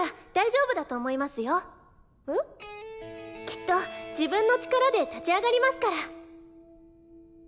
きっと自分の力で立ち上がりますから。